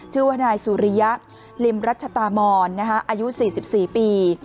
ชื่อว่านายสุริยะริมรัชตามอนอายุ๔๔ปี